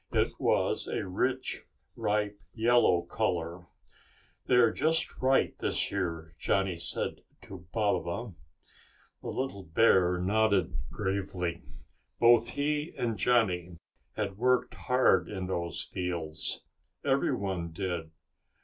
It was a rich ripe yellow color. "They are just right this year," Johnny said to Baba. The little bear nodded gravely. Both he and Johnny had worked hard in those fields. Everyone did.